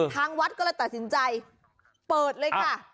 ทางวัดก็เลยตัดสินใจเปิดเลยค่ะ